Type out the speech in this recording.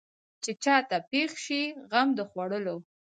چې چا ته پېښ شي غم د خوړلو.